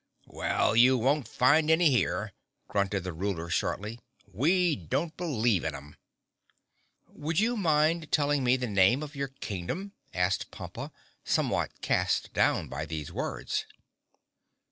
"Well, you won't find any here," grunted the Ruler shortly. "We don't believe in 'em!" "Would you mind telling me the name of your Kingdom," asked Pompa, somewhat cast down by these words.